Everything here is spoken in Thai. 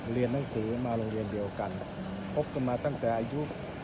เรียนหนังสือมาโรงเรียนเดียวกันคบกันมาตั้งแต่อายุ